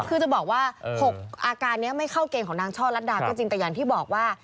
คือจะบอกว่า๖อาการนี้ไม่เข้าเกณฑ์ของนางช่อลัดดาก็จริงแต่อย่างที่บอกว่า